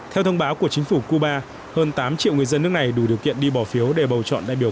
theo thông báo của chính phủ cuba hơn tám triệu người dân nước này đủ điều kiện đi bỏ phiếu để bầu chọn đại biểu